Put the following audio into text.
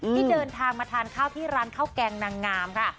ที่เดินทางมาทานข้าวที่ร้านข้าวแกงนางงามค่ะ